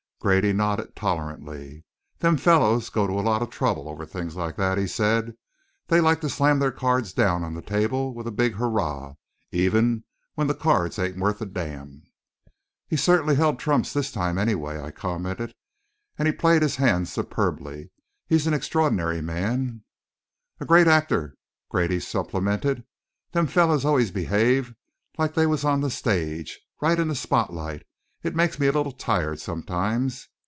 Grady nodded tolerantly. "Them fellers go to a lot of trouble over little things like that," he said. "They like to slam their cards down on the table with a big hurrah, even when the cards ain't worth a damn." "He certainly held trumps this time, anyway," I commented. "And he played his hand superbly. He is an extraordinary man." "And a great actor," Grady supplemented. "Them fellers always behave like they was on the stage, right in the spot light. It makes me a little tired, sometimes.